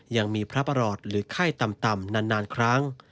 ยังมีพระประหลอดหรือไข้ต่ำนานครั้ง